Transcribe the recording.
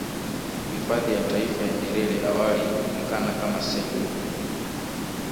Hifadhi ya Taifa ya Nyerere awali ikijulikana kama selou